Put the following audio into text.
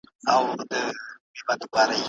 O ګروپ د معدې لپاره محتاط وي.